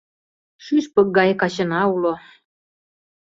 Шӱшпык гай качына уло